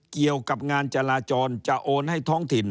เกี่ยวกับงานจราจรจะโอนให้ท้องถิ่น